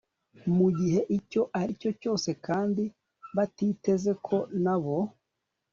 mu gihe icyo ari cyo cyose kandi batiteze ko na bo